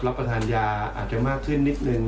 ประทานยาอาจจะมากขึ้นนิดนึง